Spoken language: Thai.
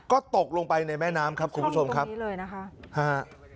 ก็ตกลงไปในแม่น้ำครับคุณผู้ชมครับนี่เลยนะคะฮะ